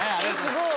すごい。